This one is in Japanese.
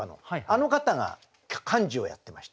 あの方が幹事をやってまして。